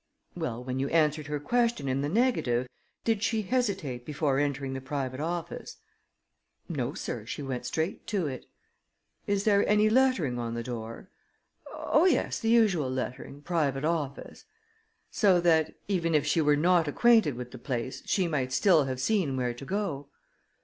"Well, when you answered her question in the negative, did she hesitate before entering the private office?" "No, sir; she went straight to it." "Is there any lettering on the door?" "Oh, yes, the usual lettering, 'Private Office.'" "So that, even if she were not acquainted with the place, she might still have seen where to go?"